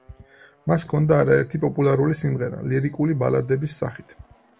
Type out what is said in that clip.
მას ჰქონდა არაერთი პოპულარული სიმღერა, ლირიკული ბალადების სახით.